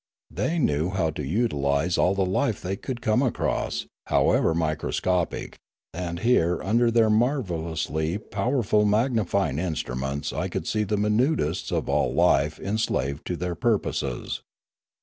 They knew how to utilise all the life they could come across, however microscopic, and here under their marvellously powerful magnifying instruments I could see the minutest of all life enslaved to their purposes.